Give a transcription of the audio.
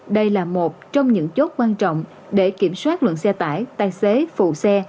đây là một trong những chốt quan trọng để kiểm soát lượng xe tải tài xế phụ xe